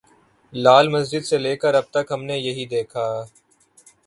لال مسجد سے لے کر اب تک ہم نے یہی دیکھا۔